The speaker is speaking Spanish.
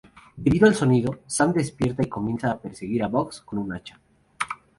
Debido al sonido, Sam despierta y comienza a perseguir a Bugs con un hacha.